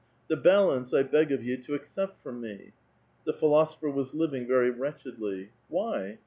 The balance I beg of you to ac cept from me." (The philosopher was living very wretch edly.) "Why?"